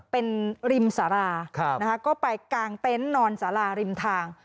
เป็นริมสาราก็ไปกางเต็นต์นอนสาราริมทาง